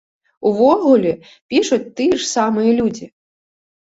Увогуле, пішуць тыя ж самыя людзі.